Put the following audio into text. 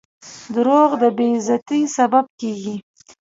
• دروغ د بې عزتۍ سبب کیږي.